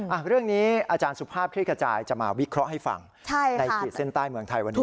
อ่ะเรื่องนี้อาจารย์สุภาพคลิกกระจายจะมาวิเคราะห์ให้ฟังใช่ในขีดเส้นใต้เมืองไทยวันนี้